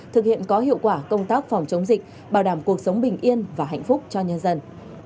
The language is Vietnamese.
thực hiện có hiệu quả công tác phòng chống dịch bảo đảm cuộc sống bình yên và hạnh phúc cho nhân dân